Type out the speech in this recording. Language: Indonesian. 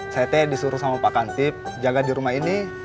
ct disuruh sama pak kantip jaga di rumah ini